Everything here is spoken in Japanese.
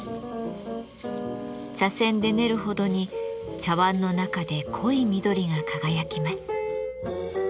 茶せんで練るほどに茶わんの中で濃い緑が輝きます。